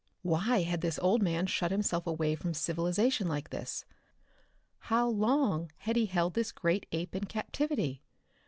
Why had this old man shut himself away from civilization like this? How long had he held this great ape in captivity?